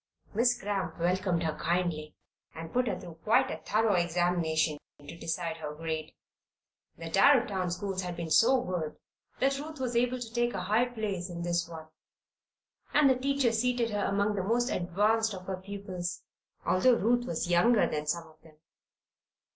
Miss Cramp welcomed her kindly, and put her through quite a thorough examination to decide her grade. The Darrowtown schools had been so good that Ruth was able to take a high place in this one, and the teacher seated her among the most advanced of her pupils, although Ruth was younger than some of them.